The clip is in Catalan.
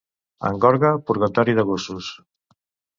En Gorga, purgatori de gossos.